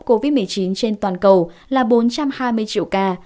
covid một mươi chín trên toàn cầu là bốn trăm hai mươi triệu ca